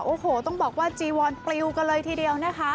โอ้โหต้องบอกว่าจีวอนปลิวกันเลยทีเดียวนะคะ